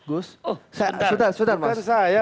oh sebentar bukan saya